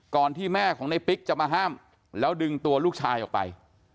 ที่แม่ของในปิ๊กจะมาห้ามแล้วดึงตัวลูกชายออกไป